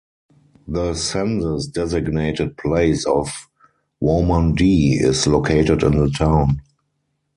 The census-designated place of Waumandee is located in the town.